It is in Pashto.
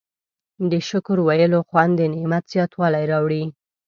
د شکر ویلو خوند د نعمت زیاتوالی راوړي.